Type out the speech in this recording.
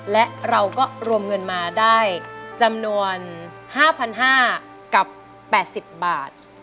และเราก็รวมเงินมาได้จำนวน๕๕๐๐กับ๘๐บาท